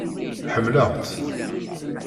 Ḥemmleɣ-tt!